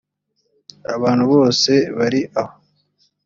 abantu bose bari aho